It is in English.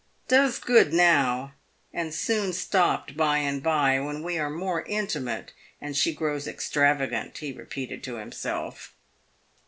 "Does good now, and soon stopt by and by, when we are more intimate, and she grows extravagant," he re peated to himself.